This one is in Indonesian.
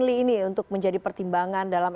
kali ini untuk menjadi pertimbangan dalam